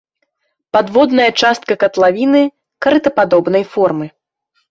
Падводная частка катлавіны карытападобнай формы.